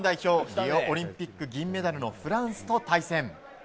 リオオリンピック銀メダルのフランスと対戦。